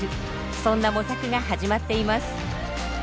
そんな模索が始まっています。